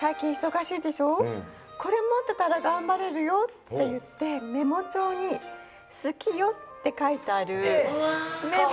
これ持ってたらがんばれるよ」って言ってメモちょうに「好きよ」って書いてあるメモを。